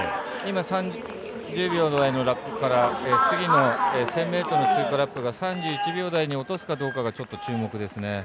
今、３０秒台のラップから次の１０００ｍの通過ラップが３１秒台に落とすかどうかがちょっと注目ですね。